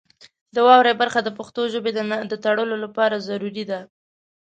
د واورئ برخه د پښتو ژبې د تړلو لپاره ضروري ده.